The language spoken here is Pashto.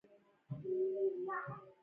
ایران د ټرانسپورټ مرکز دی.